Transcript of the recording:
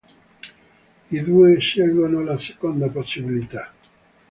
I due scelgono la seconda possibilità.